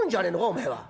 おめえは。